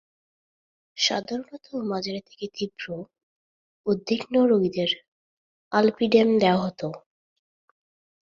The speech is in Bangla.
সাধারণত মাঝারি থেকে তীব্র উদ্বিগ্ন রোগীদের আলপিডেম দেওয়া হতো।